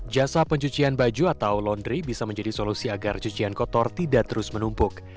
jasa pencucian baju atau laundry bisa menjadi solusi agar cucian kotor tidak terus menumpuk